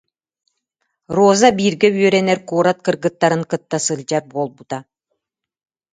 Роза бииргэ үөрэнэр куорат кыргыттарын кытта сылдьар буолбута